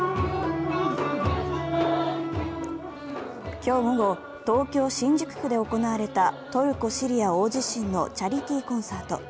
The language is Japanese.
今日午後、東京・新宿区で行われたトルコ・シリア大地震のチャリティーコンサート。